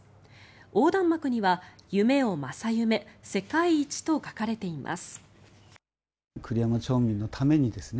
横断幕には「夢を正夢、世界一」と書かれています。